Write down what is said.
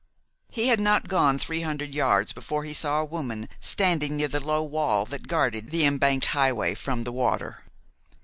He had not gone three hundred yards before he saw a woman standing near the low wall that guarded the embanked highway from the water.